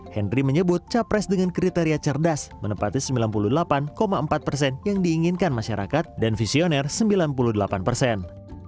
henry menyebut capres dengan kriteria cerdas menempati sembilan puluh delapan empat persen yang diinginkan masyarakat dan visioner sembilan puluh delapan persen